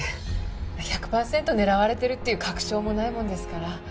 １００パーセント狙われてるっていう確証もないものですから。